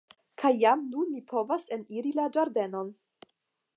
Kaj jam nun mi povas eniri la ĝardenon.